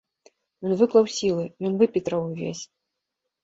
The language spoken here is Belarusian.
Ён выклаў сілы, ён выпетраў увесь.